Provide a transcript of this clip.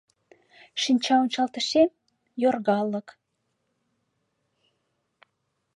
Шинчаончалтышем - йоргалык.